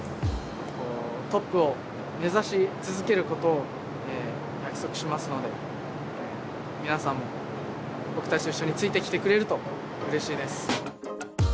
トップを目指し続けることを約束しますので皆さんも僕たちと一緒についてきてくれるとうれしいです。